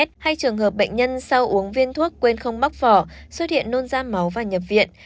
hay trường hợp bệnh nhân sau uống viên thuốc quên không mắc vỏ xuất hiện nôn da máu và nhập viện